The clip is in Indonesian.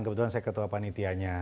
kebetulan saya ketua panitianya